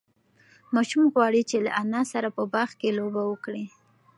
ماشوم غواړي چې له انا سره په باغ کې لوبه وکړي.